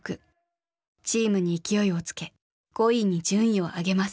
チームに勢いをつけ５位に順位を上げます。